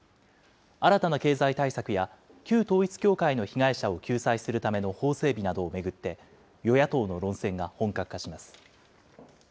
新たな経済対策や旧統一教会の被害者を救済するための法整備などを巡って与野党の論戦が本格化します。